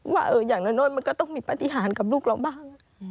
ว่าอย่างน้อยมันก็ต้องมีปฏิหารกับลูกเราบ้าง